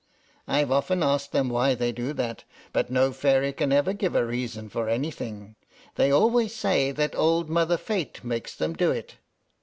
I've often asked them why they do that, but no fairy can ever give a reason for anything. They always say that old Mother Fate makes them do it.